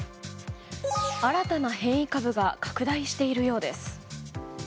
新たな変異株が拡大しているようです。